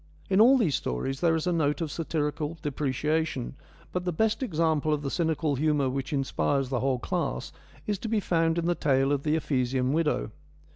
In all these stories there is a note of satirical depreciation, but the best example of the cynical humour which inspires the whole class is to be found in the tale of the Ephesian Widow.